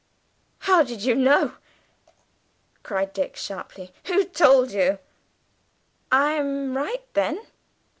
"How did you know?" cried Dick sharply. "Who told you?" "I am right, then?